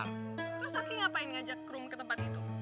terus aki ngapain ngajak krum ke tempat itu